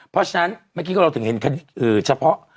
เพราะฉะนั้นเมื่อกี้ก็เราถึงเห็นเฉพาะ